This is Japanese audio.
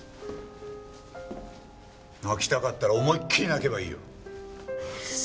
泣きたかったら思いっきり泣けばいいよ。